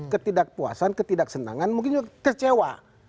ketidakpuasan ketidaksenangan mungkin juga kecewa